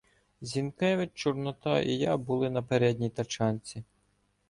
Зінкевич, Чорнота і я були на передній тачанці.